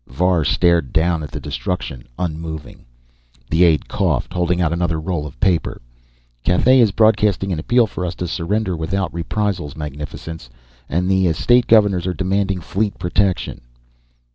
Var stared down at the destruction, unmoving. The aide coughed, holding out another roll of paper. "Cathay is broadcasting an appeal for us to surrender without reprisals, magnificence. And the Estate Governors are demanding fleet protection."